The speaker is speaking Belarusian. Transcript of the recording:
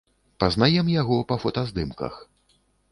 Пазнаем яго па фотаздымках.